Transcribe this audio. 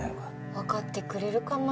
わかってくれるかな？